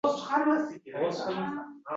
Otam sizni o’ylab tin olgani yo’q